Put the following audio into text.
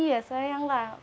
iya sayang lah